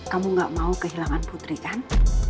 kamu gak mau kehilangan putri kan